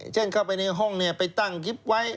เช่นเข้าไปในห้องเนี่ยไปตั้งคลิปไว้